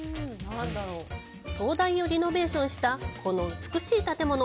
灯台をリノベーションしたこの美しい建物。